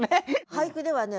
俳句ではね